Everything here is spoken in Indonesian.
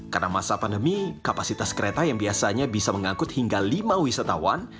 karena masa pandemi kapasitas kereta yang biasanya bisa mengangkut hingga lima wisatawan